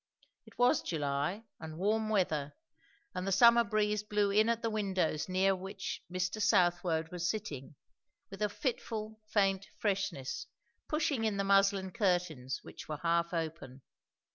It was July, and warm weather, and the summer breeze blew in at the windows near which Mr. Southwode was sitting, with a fitful, faint freshness, pushing in the muslin curtains which were half open.